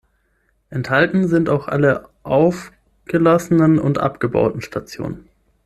Enthalten sind auch alle aufgelassenen und abgebauten Stationen.